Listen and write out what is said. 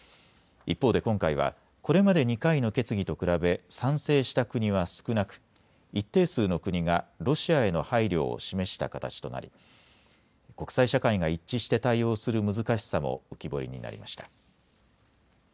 一方で今回は、これまで２回の決議と比べ賛成した国は少なく一定数の国がロシアへの配慮を示した形となり国際社会が一致して対応する難しさも浮き彫りになりました。